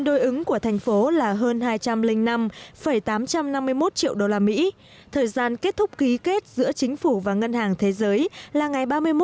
điều chỉnh là bốn trăm sáu mươi một trăm chín mươi hai triệu đô la mỹ tương đương gần một mươi tỷ đồng